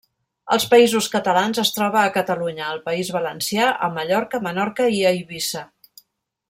Als Països Catalans, es troba a Catalunya, al País Valencià, a Mallorca, Menorca i Eivissa.